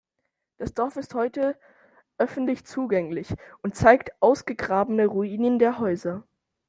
Das Dorf ist heute öffentlich zugänglich und zeigt ausgegrabene Ruinen der Häuser.